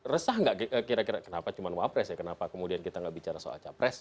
resah nggak kira kira kenapa cuma wapres ya kenapa kemudian kita nggak bicara soal capres